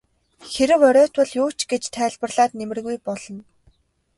Хэрэв оройтвол юу ч гэж тайлбарлаад нэмэргүй болно.